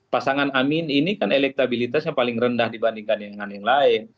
pasangan amin ini kan elektabilitasnya paling rendah dibandingkan dengan yang lain